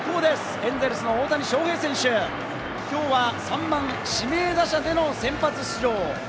エンゼルスの大谷翔平選手、今日は３番・指名打者での先発出場。